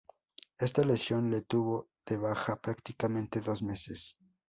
Esta lesión le tuvo de baja prácticamente dos meses.